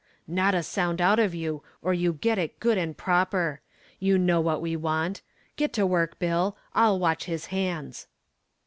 "Not a sound out of you or you get it good and proper. You know what we want. Get to work, Bill; I'll watch his hands."